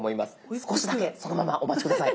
少しだけそのままお待ち下さい。